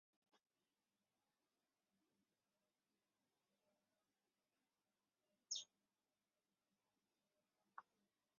لِأَنَّ الْكِتَابَةَ تَبْطُلُ بِهِ وَالْعِتْقُ فِي غَيْرِ الْكِتَابَةِ لَا يَحْصُلُ بِالْإِبْرَاءِ